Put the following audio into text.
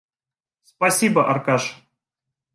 Спасибо, Аркаша.